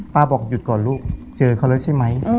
บอกหยุดก่อนลูกเจอเขาแล้วใช่ไหม